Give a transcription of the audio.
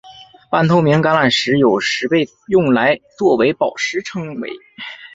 半透明橄榄石有时被用来作为宝石称为。